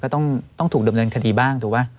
ก็ต้องถูกดื่มเรินคดีบ้างถูกปะ